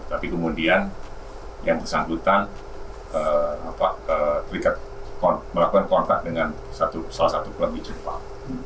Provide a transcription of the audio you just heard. tapi kemudian yang bersangkutan melakukan kontak dengan salah satu klub di jepang